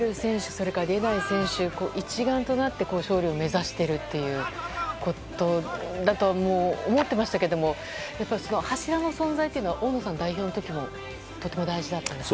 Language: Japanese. それから、出ない選手一丸となって勝利を目指しているということだとは思ってましたけれどもやっぱり、柱の存在というのは大野さんが代表の時もとても大事だったんですか？